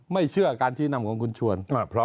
ไม่เชื่อการชี้นำของคุณชวน